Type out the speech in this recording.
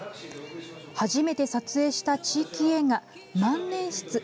初めて撮影した地域映画「万年筆」。